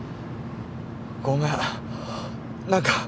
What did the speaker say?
ああ。